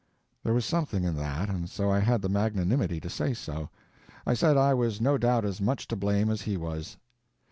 There was something in that, and so I had the magnanimity to say so. I said I was no doubt as much to blame as he was.